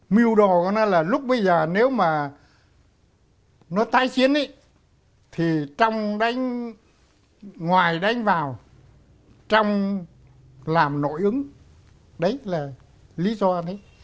mưu đồ của nó là lúc bây giờ nếu mà nó tái chiến thì trong đánh ngoài đánh vào trong làm nội ứng đấy là lý do đấy